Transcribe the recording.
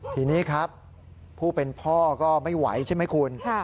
ทีนี้ครับผู้เป็นพ่อก็ไม่ไหวใช่ไหมคุณ